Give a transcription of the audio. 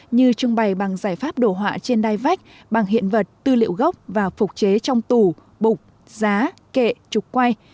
như trưng bày bằng giải pháp đổ họa trên đai vách bằng hiện vật tư liệu gốc và phục chế trong tủ bụng giá kệ trục quay